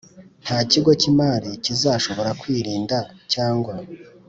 Nta kigo cy imari kizashobora kwirinda cyangwa